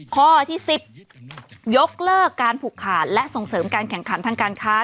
ข้อที่๑๐ยกเลิกการผูกขาดและส่งเสริมการแข่งขันทางการค้า